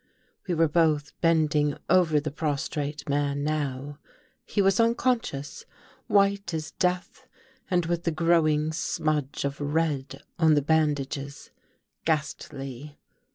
We were both bending over the prostrate man now. He was unconscious — white as death, and with the growing smudge of red on the bandages, ghastly.